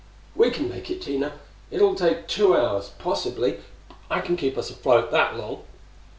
"We can make it, Tina. It'll take two hours, possibly, but I can keep us afloat that long."